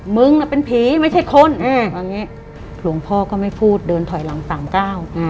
มึงเป็นผีไม่ใช่คนลงงี้หลวงพ่อก็ไม่พูดเดินถอยหลัง๓ก้าว